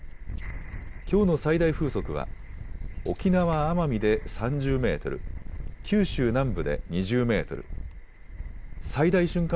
きょうの最大風速は沖縄・奄美で３０メートル、九州南部で２０メートル、最大瞬間